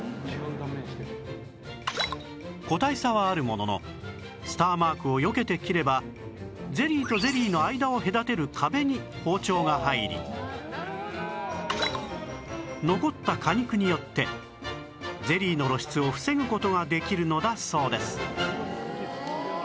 個体差はあるもののスターマークをよけて切ればゼリーとゼリーの間を隔てる壁に包丁が入り残った果肉によってゼリーの露出を防ぐ事ができるのだそうです